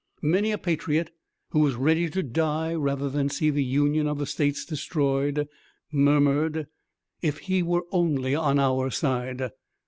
Many a patriot who was ready to die rather than see the union of the states destroyed murmured: "If he were only on our side!"